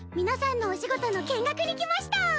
皆さんのお仕事の見学に来ました！